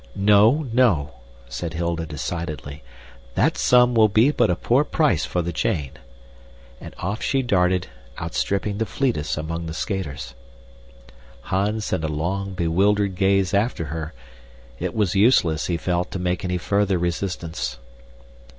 "No, no," said Hilda decidedly. "That sum will be but a poor price for the chain." And off she darted outstripping the fleetest among the skaters. Hans sent a long, bewildered gaze after her; it was useless, he felt, to make any further resistance.